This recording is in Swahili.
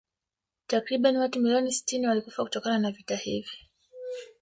Takriban watu milioni sitini walikufa kutokana na vita hivi